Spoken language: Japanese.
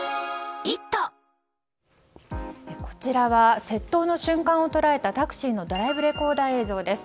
こちらは、窃盗の瞬間を捉えたタクシーのドライブレコーダー映像です。